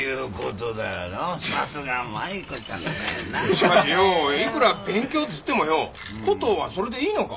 しかしよいくら勉強っていってもよコトーはそれでいいのか？